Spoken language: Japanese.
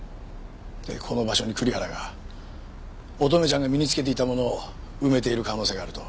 でこの場所に栗原が乙女ちゃんが身に着けていたものを埋めている可能性があると？